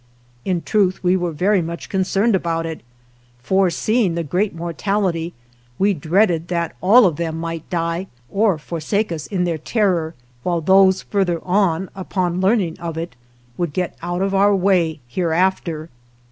In truth, we were very much concerned about it, for, seeing the great mortality, we dreaded that all of them might die or forsake us in their terror, while those further on, upon learning of it, would get out of our way hereafter.